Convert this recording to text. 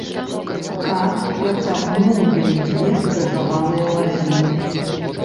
Кат працягнуў ёй дзве скрыжаваныя лазіны.